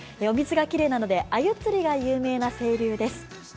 お水がきれいなのであゆ釣りが有名な清流です。